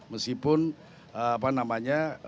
meskipun apa namanya